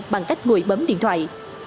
bằng cách ngồi bấm điện thoại